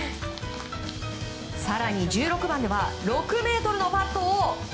更に、１６番では６ｍのパットを。